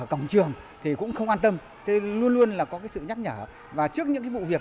cổng trường thì cũng không an tâm luôn luôn là có cái sự nhắc nhở và trước những cái vụ việc